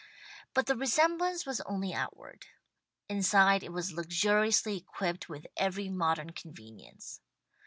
But the resemblance was only outward. Inside it was luxuriously equipped with every modern convenience.